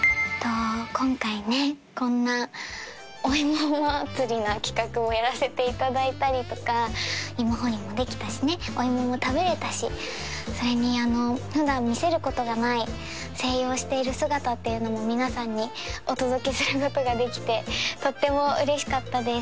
今回ねこんなお芋祭りな企画もやらせていただいたりとか芋掘りもできたしねお芋も食べれたしそれに普段見せることがない声優をしている姿っていうのも皆さんにお届けすることができてとっても嬉しかったです